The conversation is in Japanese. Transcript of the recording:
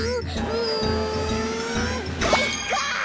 うんかいか！